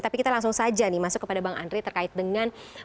tapi kita langsung saja nih masuk kepada bang andre terkait dengan